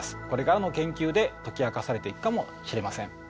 これからの研究で解き明かされていくかもしれません。